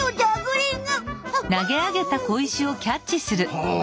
はあ。